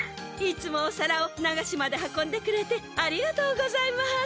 いつもおさらを流しまで運んでくれてありがとうございます。